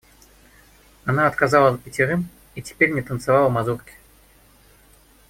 Она отказала пятерым и теперь не танцовала мазурки.